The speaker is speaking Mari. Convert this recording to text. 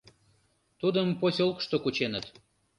Тудым посёлкышто кученыт.